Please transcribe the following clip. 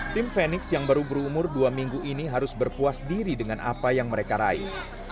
tim fenix yang baru berumur dua minggu ini harus berpuas diri dengan apa yang mereka raih